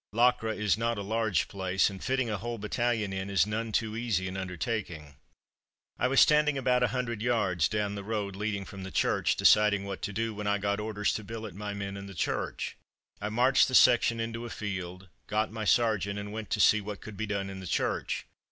Locre is not a large place, and fitting a whole battalion in is none too easy an undertaking. I was standing about a hundred yards down the road leading from the church, deciding what to do, when I got orders to billet my men in the church. I marched the section into a field, got my sergeant, and went to see what could be done in the church.